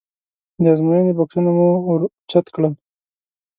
د ازموینې بکسونه مو ور اوچت کړل.